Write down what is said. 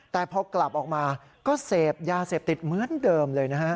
แต่พอกลับออกมาก็เสพยาเสพติดเหมือนเดิมเลยนะฮะ